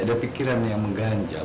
ada pikiran yang mengganjal